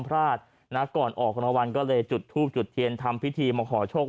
พลาดนะก่อนออกรางวัลก็เลยจุดทูบจุดเทียนทำพิธีมาขอโชค